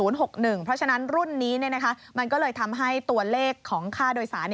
เพราะฉะนั้นรุ่นนี้มันก็เลยทำให้ตัวเลขของค่าโดยสาร